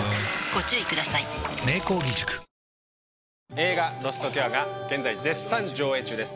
映画『ロストケア』が現在絶賛上映中です。